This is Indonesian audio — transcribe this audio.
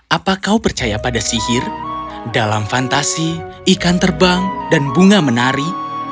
apa kau percaya pada sihir dalam fantasi ikan terbang dan bunga menari